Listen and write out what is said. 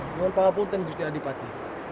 dengan paham punten gusti adipati